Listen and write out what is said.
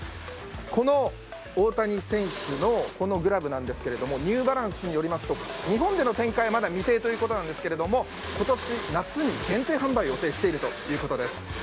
この大谷選手のグラブなんですがニューバランスによりますと日本での展開はまだ未定ということなんですが今年夏に限定販売を予定しているということです。